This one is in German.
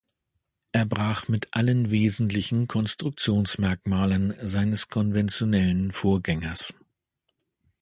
Er brach mit allen wesentlichen Konstruktionsmerkmalen seines konventionellen Vorgängers.